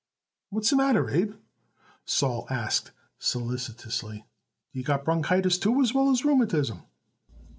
"What's the matter, Abe?" Sol asked solicitously. "Do you got bronchitis, too, as well as rheumatism?"